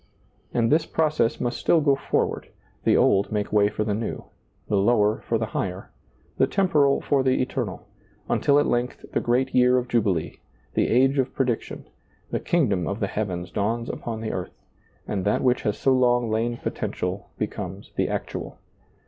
And this pro cess must still go forward, the old make way for the new, the lower for the higher, the temporal for the eternal, until at length the great year of Jubilee, the age of prediction, the kingdom of the heavens dawns upon the earth, and that which has so long lain potential becomes the actual.